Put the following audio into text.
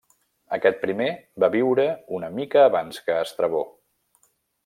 Aquest primer va viure una mica abans que Estrabó.